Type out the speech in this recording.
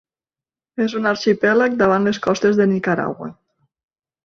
És un arxipèlag davant les costes de Nicaragua.